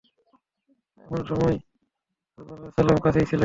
এ সময় রাসূল সাল্লাল্লাহু আলাইহি ওয়াসাল্লাম কাছেই ছিলেন।